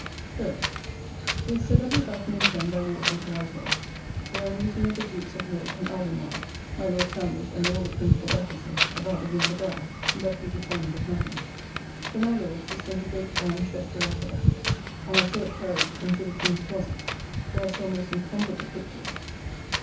3d. With Sir W. Batten and Pen by water to White Hall, where a meeting of the Dukes of York and Albemarle, my Lord Sandwich and all the principal officers, about the Winter Guard, but we determined of nothing. To my Lord's, who sent a great iron chest to White Hall; and I saw it carried, into the King's closet, where I saw most incomparable pictures.